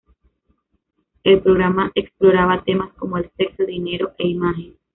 El programa exploraba temas como el sexo, dinero e imagen.